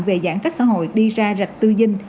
về giãn cách xã hội đi ra rạch tư dinh